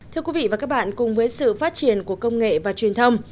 thưa quý vị và các bạn cùng với sự phát triển của công nghệ và truyền thông